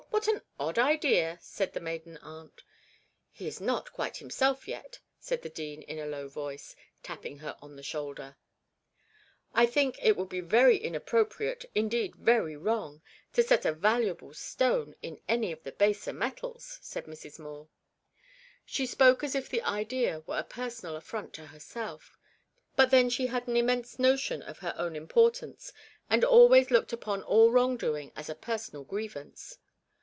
What an odd idea!' said the maiden aunt. 'He is not quite himself yet,' said the dean in a low voice, tapping her on the shoulder. 'I think it would be very inappropriate, indeed very wrong, to set a valuable stone in any of the baser metals,' said Mrs. Moore. She spoke as if the idea were a personal affront to herself, but then she had an immense notion of her own importance, and always looked upon all wrong doing as a personal grievance.